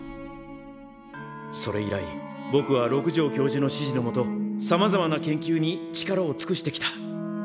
それ以来ぼくは六条教授の指示のもとさまざまな研究に力をつくしてきた。